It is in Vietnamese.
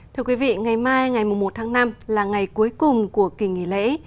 thưa quý vị ngày mai ngày một tháng năm là ngày cuối cùng của kỳ nghỉ lễ